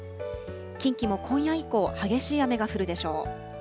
近畿も今夜以降、激しい雨が降るでしょう。